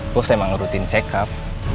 bos emang rutin cekup